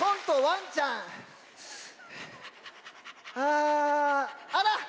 ああら！